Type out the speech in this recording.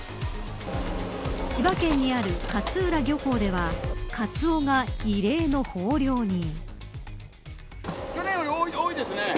千葉県にある勝浦漁港ではカツオが異例の豊漁に。